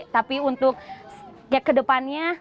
tapi untuk kayak kedepannya